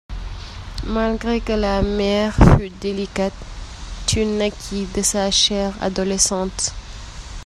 Malgré que la mère fut délicate, tu naquis de sa chair adolescente.